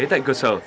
tại cơ sở